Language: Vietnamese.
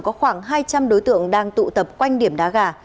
có khoảng hai trăm linh đối tượng đang tụ tập quanh điểm đá gà